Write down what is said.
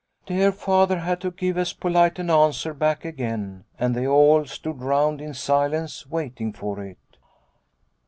" Dear Father had to give as polite an answer back again, and they all stood round in silence, waiting for it.